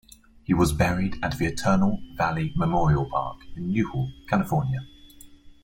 He was buried at the Eternal Valley Memorial Park in Newhall, California.